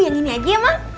yang ini aja mak